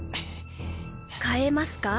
代えますか？